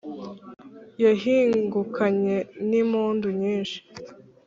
yahingukanye n'impundu nyinshi